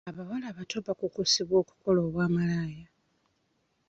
Abawala abato bakukusibwa kukola bwa malaaya.